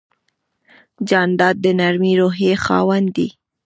جانداد د نرمې روحیې خاوند دی.